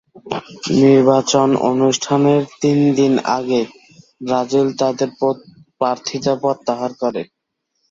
নির্বাচন অনুষ্ঠানের তিন দিন আগে ব্রাজিল তাদের প্রার্থীতা প্রত্যাহার করে।